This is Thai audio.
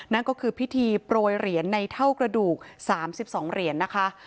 นั่นก็คือพิธีโปรยเหรียญในเท่ากระดูก๓๒เหรียญนะคะ